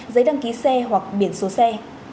giấy đăng ký xe hoặc biển số xe